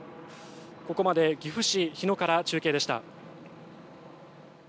ここまで岐阜市日野から中継でした。